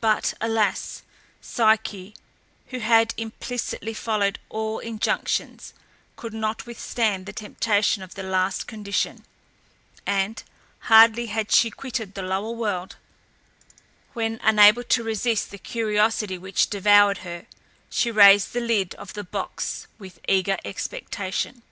But, alas, Psyche, who had implicitly followed all injunctions, could not withstand the temptation of the last condition; and, hardly had she quitted the lower world, when, unable to resist the curiosity which devoured her, she raised the lid of the box with eager expectation.